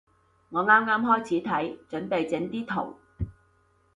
我啱啱開始睇，準備整啲圖